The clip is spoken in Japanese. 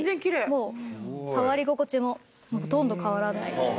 もう触り心地もほとんど変わらないです。